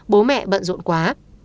bố mẹ bận rộn quá